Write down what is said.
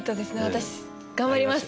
私頑張ります。